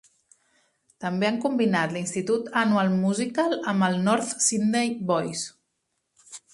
També han combinat l'institut Annual Musical amb el North Sydney Boys.